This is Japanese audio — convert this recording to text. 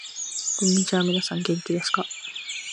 こんにちは、みなさん元気ですか？